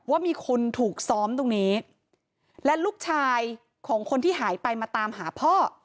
ว่ามีคนถูกซ้อมตรงนี้และลูกชายของคนที่หายไปมาตามหาพ่อ